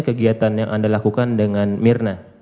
kegiatan yang anda lakukan dengan mirna